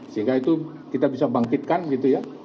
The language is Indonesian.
sehingga itu kita bisa bangkitkan gitu ya